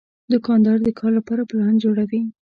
دوکاندار د کار لپاره پلان جوړوي.